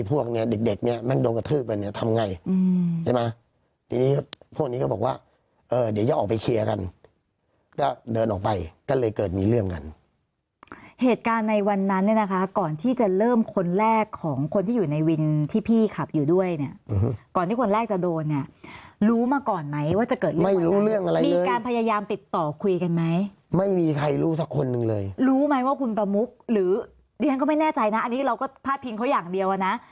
ไปใช่มั้ยพวกนี้ก็บอกว่าเดี๋ยวจะออกไปเคลียร์กันก็เดินออกไปก็เลยเกิดมีเรื่องกันเหตุการณ์ในวันนั้นเนี่ยนะคะก่อนที่จะเริ่มคนแรกของคนที่อยู่ในวินที่พี่ขับอยู่ด้วยเนี่ยก่อนที่คนแรกจะโดนเนี่ยรู้มาก่อนไหมว่าจะเกิดไม่รู้เรื่องอะไรมีการพยายามติดต่อคุยกันไหมไม่มีใครรู้สักคนหนึ่งเลยรู้ไหมว่าคุณประมุกหรือเรี